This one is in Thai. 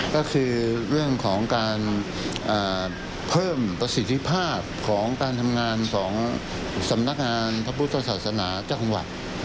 ก็คือเรื่องของการเพิ่มประสิทธิภาพของการทำงานของสำนักงานพระพุทธศาสนาจังหวัด